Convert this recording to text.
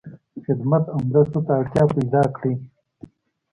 خدمت او مرستو ته اړتیا پیدا کړی.